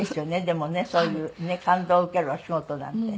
でもねそういうねえ感動を受けるお仕事なんて。